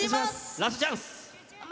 ラストチャンス！